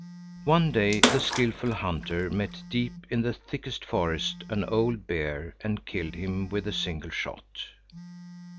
One day the skilful hunter met deep in the thickest forest an old bear and killed him with a single shot.